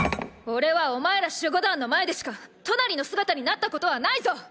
おれはお前ら守護団の前でしかトナリの姿になったことはないぞ！！